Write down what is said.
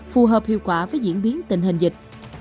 phù hợp hiệu quả với diễn biến tình hình dịch